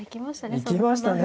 行きましたね。